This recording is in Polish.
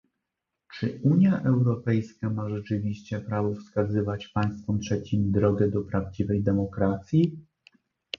czy Unia Europejska ma rzeczywiście prawo wskazywać państwom trzecim drogę do prawdziwej demokracji?